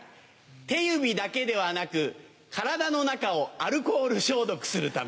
手指だけではなく体の中をアルコール消毒するため。